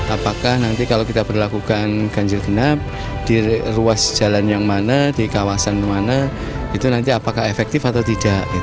apakah nanti kalau kita berlakukan ganjil genap di ruas jalan yang mana di kawasan mana itu nanti apakah efektif atau tidak